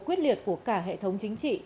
quyết liệt của cả hệ thống chính trị